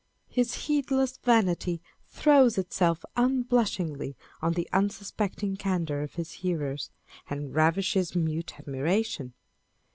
His heedless vanity throws itself unblushingly on the unsuspecting candour of his hearers, and ravishes mute admiration.